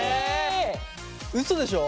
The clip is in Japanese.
うそでしょ！